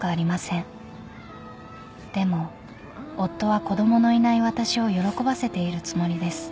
［でも夫は子供のいない私を喜ばせているつもりです］